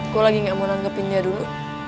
gue lagi gak mau nanggepin dia dulu